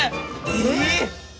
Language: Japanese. えっ！